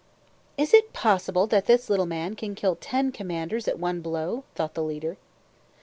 "Is it possible that this little man can kill TEN COMMANDERS at one blow?" thought the leader.